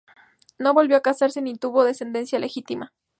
No volvió a casarse, ni tuvo descendencia legítima.